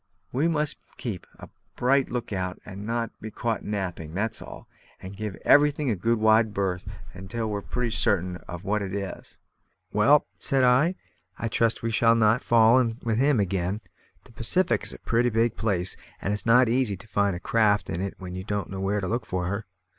We must keep a bright look out, and not be caught napping, that's all; and give everything a good wide berth till we're pretty certain of what it is." "Well," said I, "I trust we shall not fall in with him again. The Pacific is a pretty big place, and it's not so easy to find a craft in it when you don't know where to look for her.